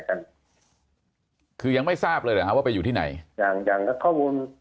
กันคือยังไม่ทราบเลยเหรอฮะว่าไปอยู่ที่ไหนอย่างอย่างข้อมูล